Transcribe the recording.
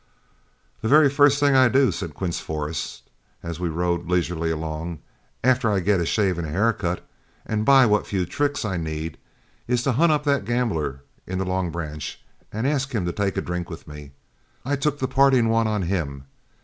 "The very first thing I do," said Quince Forrest, as we rode leisurely along, "after I get a shave and hair cut and buy what few tricks I need, is to hunt up that gambler in the Long Branch, and ask him to take a drink with me I took the parting one on him.